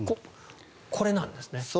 これなんですね。